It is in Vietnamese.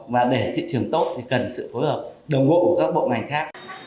và để thị trường tốt thì cần sự phối hợp đồng ngộ của các bộ ngành khác